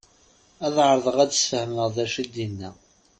Ad ɛerḍeɣ ad d-sfehmeɣ d acu i d-inna.